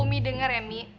umi denger ya mi